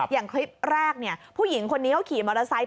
อย่างคลิปแรกผู้หญิงคนนี้เขาขี่มอเตอร์ไซค์